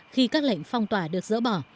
khi các lệnh phong tỏa được dỡ bỏ